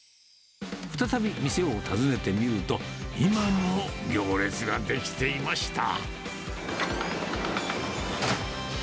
再び店を訪ねてみると、今も行列が出来ていました。